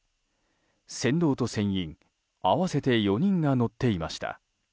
船頭と船員合わせて４人が乗っていました。